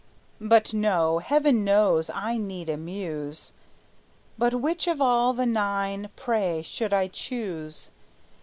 But no: heaven knows I need a muse; But which of all the nine, pray, should I choose?